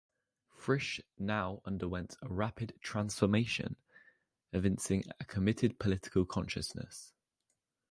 Frisch now underwent a rapid transformation, evincing a committed political consciousness.